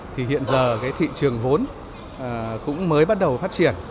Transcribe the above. thì hiện giờ cái thị trường vốn cũng mới bắt đầu phát triển